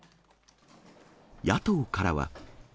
野党からは。